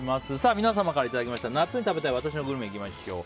皆様からいただきました夏に食べたい私のグルメ